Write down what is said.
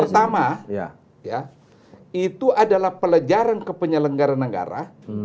pertama itu adalah pelajaran kepenyelenggaraan negara